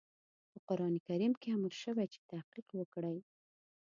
په قرآن کريم کې امر شوی چې تحقيق وکړئ.